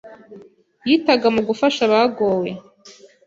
yitanga mu gufasha abagowe.